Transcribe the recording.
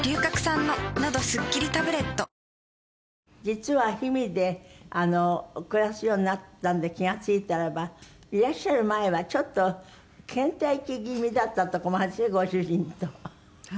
実は氷見で暮らすようになったので気が付いたらばいらっしゃる前はちょっと倦怠期気味だったとこもあるんですって？